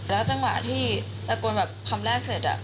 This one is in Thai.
แล้วจังหวะที่ละกวนคำแรกเสร็จ